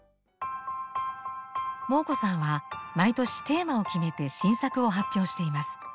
モー子さんは毎年テーマを決めて新作を発表しています。